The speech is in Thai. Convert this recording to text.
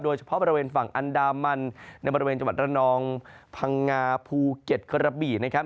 โดยเฉพาะบริเวณฝั่งอันดามันในบริเวณจังหวัดระนองพังงาภูเก็ตกระบี่นะครับ